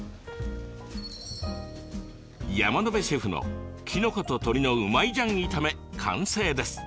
山野辺シェフのきのこと鶏のうまい醤炒め完成です。